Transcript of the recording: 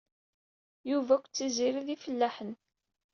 Yuba akked Tiziri d ifellaḥen.